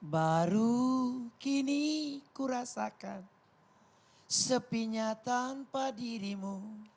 baru kini kurasakan sepinya tanpa dirimu